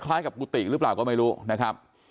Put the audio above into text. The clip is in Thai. กับกุฏิหรือเปล่าก็ไม่รู้นะครับ